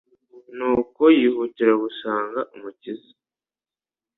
nuko yihutira gusanga Umukiza.